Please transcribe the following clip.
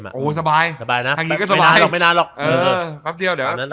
ทำไมเขาถึงรีบอยากจะเปิดไพล์แล้ว